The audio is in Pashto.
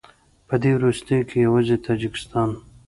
په دې وروستیو کې یوازې تاجکستان